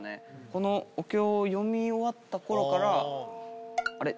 このお経を読み終わったころから、あれ？